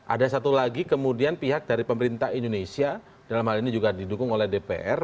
ada satu lagi kemudian pihak dari pemerintah indonesia dalam hal ini juga didukung oleh dpr